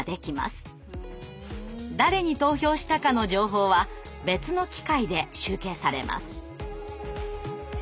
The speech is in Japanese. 誰に投票したかの情報は別の機械で集計されます。